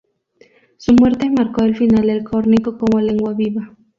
Su muerte marcó el final del córnico como lengua viva.